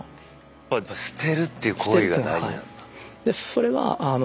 やっぱり捨てるっていう行為が大事なんだ。